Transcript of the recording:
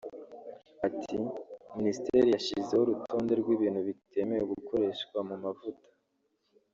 Ati "Minisiteri yashizeho urutonde rw’ibintu bitemewe gukoreshwa mu mavuta